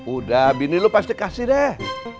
udah bini lo pasti kasih deh